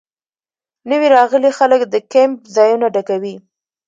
نوي راغلي خلک د کیمپ ځایونه ډکوي